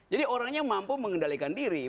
jadi orangnya mampu mengendalikan diri